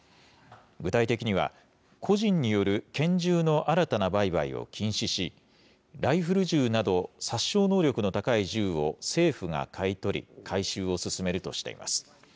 具体的には、個人による拳銃の新たな売買を禁止し、ライフル銃など、殺傷能力の高い銃を政府が買い取り、回収を進めるとしています。